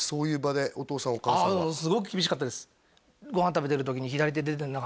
すごく厳しかったです